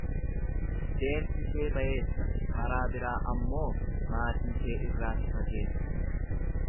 Deemsi kee bayeessa karaa biraa ammoo maatii kee irraa si fageessa.